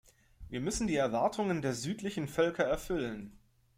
Wir müssen die Erwartungen der südlichen Völker erfüllen.